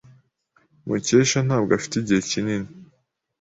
Mukesha ntabwo afite igihe kinini.